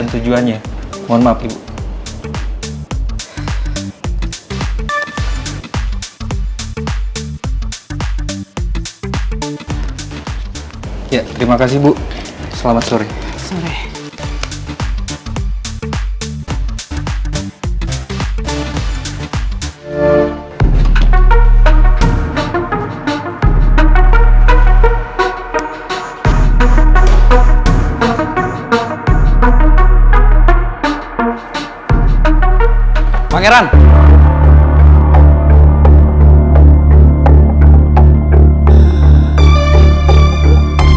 tujuannya mohon maaf ibu ya terima kasih bu selamat sore sore